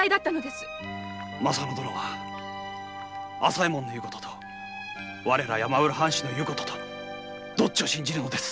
まさ乃殿は朝右衛門の言うことと我ら山浦藩士の言うこととどっちを信じるのです！